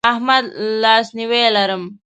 د احمد لاسنیوی لرم.